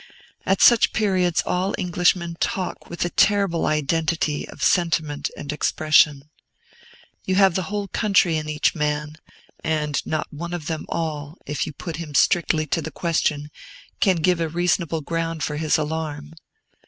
At such periods all Englishmen talk with a terrible identity of sentiment and expression. You have the whole country in each man; and not one of them all, if you put him strictly to the question, can give a reasonable ground for his alarm.